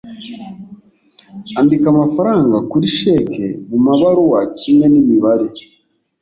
andika amafaranga kuri cheque mumabaruwa kimwe nimibare